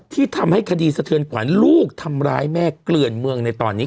ที่ทำให้คดีสะเทือนขวัญลูกทำร้ายแม่เกลื่อนเมืองในตอนนี้